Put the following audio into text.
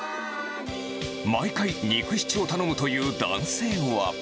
毎回、ニクシチを頼むという男性は。